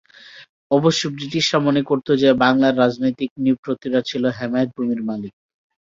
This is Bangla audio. অবশ্য ব্রিটিশরা মনে করত যে বাংলার রাজনৈতিক নৃপতিরা ছিল নেহায়েত ভূমির মালিক।